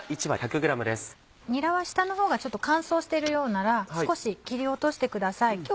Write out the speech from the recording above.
にらは下のほうがちょっと乾燥しているようなら少し切り落としてください。